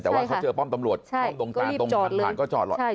แต่ว่าเขาเจอป้อมตำรวจป้อมดงตานต้นทางผ่านก็จอดแล้ว